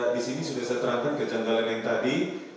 di sini sudah saya terangkan ke janggalan yang tadi